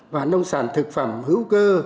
và nông sản thực phẩm hữu cơ